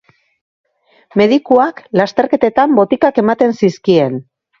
Medikuak lasterketetan botikak ematen zizkien.